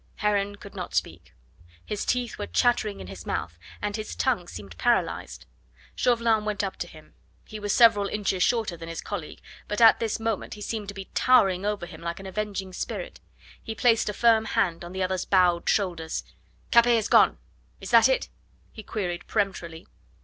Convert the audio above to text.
Heron could not speak; his teeth were chattering in his mouth, and his tongue seemed paralysed. Chauvelin went up to him. He was several inches shorter than his colleague, but at this moment he seemed to be towering over him like an avenging spirit. He placed a firm hand on the other's bowed shoulders. "Capet has gone is that it?" he queried peremptorily.